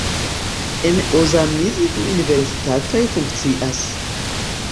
En Ozamiz du universitatoj funkcias.